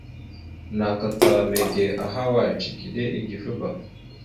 Naka ta nège ahaway? Cikiɗe igefaba.